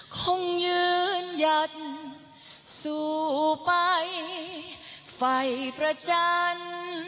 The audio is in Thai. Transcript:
คงยืนหยัดสู้ไปไฟประจันทร์